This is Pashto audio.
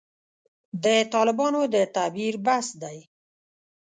د طالبانو د تعبیر بحث دی.